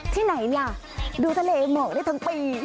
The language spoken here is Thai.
ที่ไหนล่ะดูทะเลหมอกได้ทั้งปี